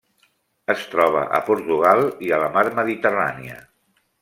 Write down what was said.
Es troba a Portugal i a la Mar Mediterrània.